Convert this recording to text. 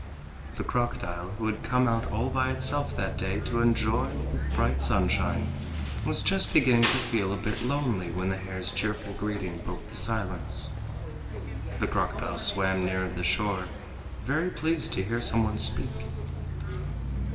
The crocodile, who had come out all by itself that day to enjoy the bright sunshine, was just beginning to feel a bit lonely when the hare's cheerful greeting broke the silence. The crocodile swam nearer the shore, very pleased to hear some one speak.